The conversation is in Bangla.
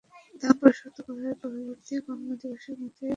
দাম পরিশোধ করার পরবর্তী কর্মদিবসের মধ্যেই গ্রাহকের বিকাশে টাকা জমা হবে।